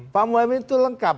pak muhyimin itu lengkap